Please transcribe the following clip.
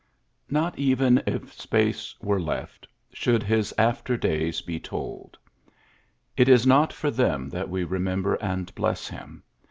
Not even if space were lefty should his after days be told. It is not for them that we remember and bless him.